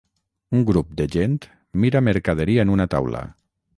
Un grup de gent mira mercaderia en una taula.